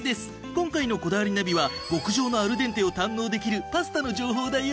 今回の『こだわりナビ』は極上のアルデンテを堪能できるパスタの情報だよ。